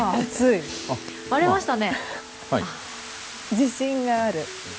自信がある。